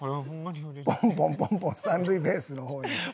ポンポンポンポン三塁ベースの方に。